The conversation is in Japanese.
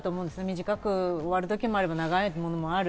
短く終わる時もあれば、長いものもある。